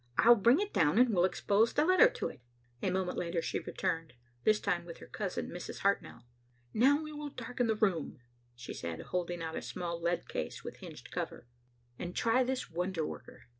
I'll bring it down and we'll expose the letter to it." A moment later she returned, this time with her cousin Mrs. Hartnell. "Now we will darken the room," she said, holding out a small lead case with hinged cover, "and try this wonder worker.